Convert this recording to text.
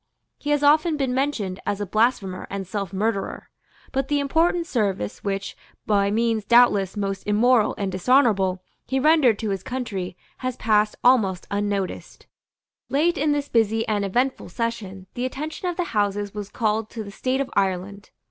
He has often been mentioned as a blasphemer and selfmurderer. But the important service which, by means doubtless most immoral and dishonourable, he rendered to his country, has passed almost unnoticed. Late in this busy and eventful session the attention of the Houses was called to the state of Ireland.